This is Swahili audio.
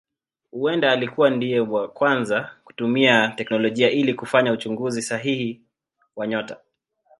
Huenda alikuwa ndiye wa kwanza kutumia teknolojia ili kufanya uchunguzi sahihi wa nyota.